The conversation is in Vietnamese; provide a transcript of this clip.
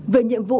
về nhiệm vụ